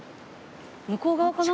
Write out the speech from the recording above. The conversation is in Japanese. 向こう側かな？